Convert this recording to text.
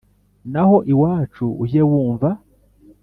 Naho iwacu ujye wumva